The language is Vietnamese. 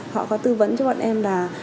họ có tư vấn cho bọn em là